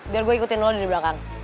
biar gue ikutin lo di belakang